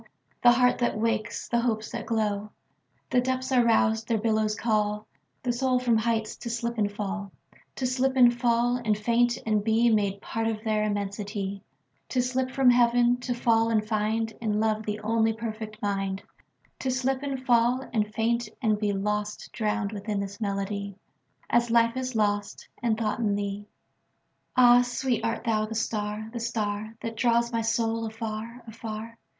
The heart that wakes, the hopes that glow! The depths are roused: their billows callThe soul from heights to slip and fall; To slip and fall and faint and beMade part of their immensity; To slip from Heaven; to fall and findIn love the only perfect mind; To slip and fall and faint and beLost, drowned within this melody, As life is lost and thought in thee. Ah, sweet, art thou the star, the starThat draws my soul afar, afar?